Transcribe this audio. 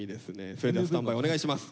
それではスタンバイお願いします。